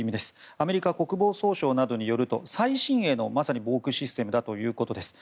アメリカ国防総省などによるとまさに最新鋭の防空システムだということです。